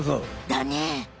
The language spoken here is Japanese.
だね！